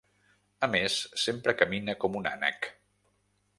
A més, sempre camina com un ànec.